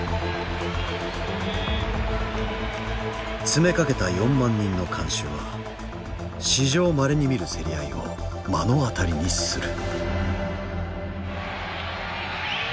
詰めかけた４万人の観衆は史上まれに見る競り合いを目の当たりにする。